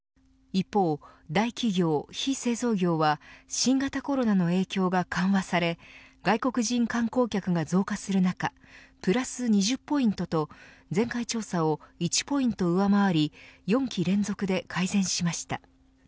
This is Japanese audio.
一方、大企業・非製造業は新型コロナの影響が緩和され外国人観光客が増加する中プラス２０ポイントと前回調査を１ポイント上回り４期連続で改善しました。